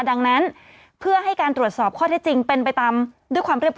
ดังนั้นเพื่อให้การตรวจสอบข้อเท็จจริงเป็นไปตามด้วยความเรียบร